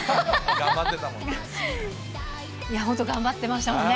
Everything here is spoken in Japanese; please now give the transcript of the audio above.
本当、頑張ってましたもんね。